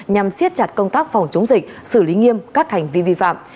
nhằm siết chặt công tác phòng chống dịch xử lý nghiêm các hành vi vi phạm